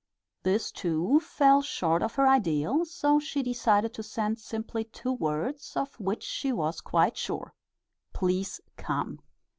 This, too, fell short of her ideal, so she decided to send simply two words of which she was quite sure: "Please come."